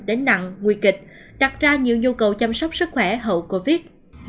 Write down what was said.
đến nặng nguy kịch đặt ra nhiều nhu cầu chăm sóc sức khỏe hậu covid